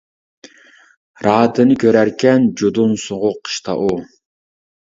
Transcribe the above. راھىتىنى كۆرەركەن، جۇدۇن، سوغۇق قىشتا ئۇ.